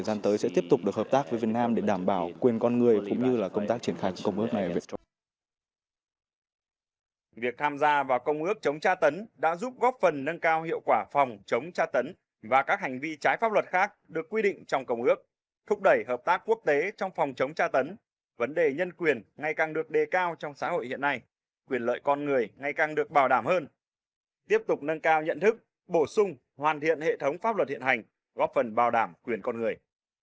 việc tham gia vào công ước chống tra tấn đã giúp góp phần nâng cao hiệu quả phòng chống tra tấn và các hành vi trái pháp luật khác được quy định trong công ước thúc đẩy hợp tác quốc tế trong phòng chống tra tấn vấn đề nhân quyền ngày càng được đề cao trong xã hội hiện nay quyền lợi con người ngày càng được bảo đảm hơn tiếp tục nâng cao nhận thức bổ sung hoàn thiện hệ thống pháp luật hiện hành góp phần bảo đảm quyền con người